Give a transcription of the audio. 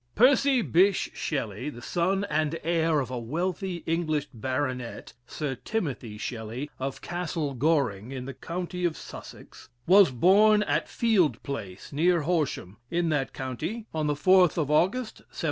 Percy Bysshe Shelley (the son and heir of a wealthy English baronet, Sir Timothy Shelley, of Castle Goring, in the county of Sussex) was born at Field Place, near Horsham, in that county, on the 4th of August, 1792.